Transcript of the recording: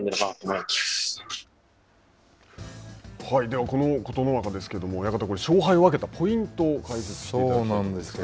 では、この琴ノ若ですけれども、親方、勝敗の分けたポイントを解説していただきたいんですが。